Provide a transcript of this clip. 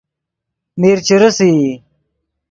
میر چے ریسئی